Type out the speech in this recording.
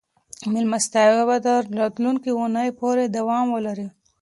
مېلمستیاوې به تر راتلونکې اونۍ پورې دوام ولري.